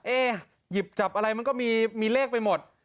หยิบจับอะไรมันก็มีเลขไปหมด